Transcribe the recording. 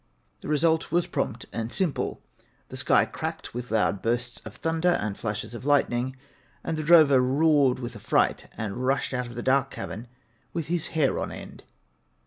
The result was prompt and simple: the sky cracked with loud bursts of thunder and flashes of lightning, and the drover roared with affright and rushed out of the dark cavern with his hair on end.